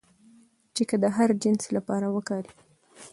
چې که د هر جنس لپاره وکارېږي